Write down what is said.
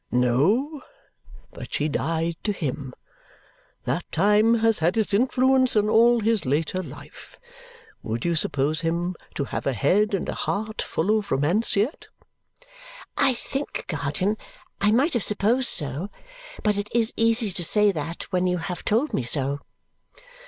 "No but she died to him. That time has had its influence on all his later life. Would you suppose him to have a head and a heart full of romance yet?" "I think, guardian, I might have supposed so. But it is easy to say that when you have told me so."